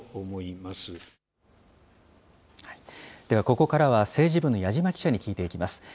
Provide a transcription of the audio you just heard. では、ここからは政治部の矢島記者に聞いていきます。